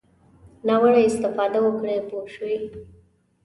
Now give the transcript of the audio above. ناوړه استفاده وکړي پوه شوې!.